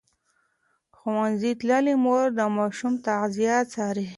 ښوونځې تللې مور د ماشوم تغذیه څاري.